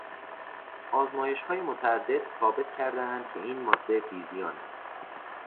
آزمایشهای متعدد ثابت کردهاند که این ماده بیزیان است.